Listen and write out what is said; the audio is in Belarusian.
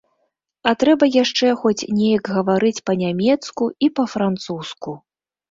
А трэба яшчэ хоць неяк гаварыць па-нямецку і па-французску.